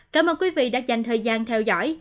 cảm ơn quý vị đã dành thời gian theo dõi